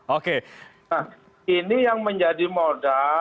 oke nah ini yang menurut saya adalah